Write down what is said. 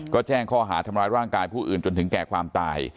ก็แจ้งข้อหาทำร้ายร่างกายผู้อื่นจนถึงแก่ความตาย